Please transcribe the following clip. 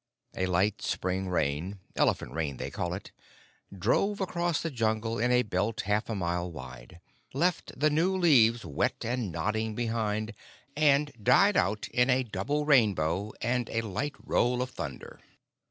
A light spring rain elephant rain they call it drove across the Jungle in a belt half a mile wide, left the new leaves wet and nodding behind, and died out in a double rainbow and a light roll of thunder.